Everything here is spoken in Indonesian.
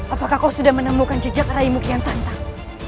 apakah kau sudah menemukan jejak raimu kian santang